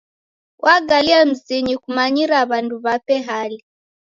Wagalie mzinyi kumanyira w'andu w'ape hali.